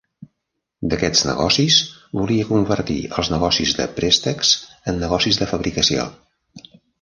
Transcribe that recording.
D'aquests negocis, volia convertir els negocis de préstecs en negocis de fabricació.